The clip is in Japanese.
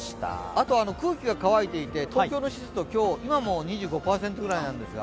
あと空気が乾いていて東京の湿度、今も２５％ぐらいです。